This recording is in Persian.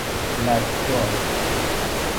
لکدار